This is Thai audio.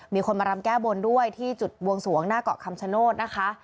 มีคนมารำแก้บนด้วยที่จุดบวงสวงหน้าเกาะคำชโนธนะคะ